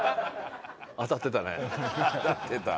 当たってた。